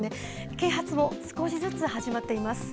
啓発も少しずつ始まっています。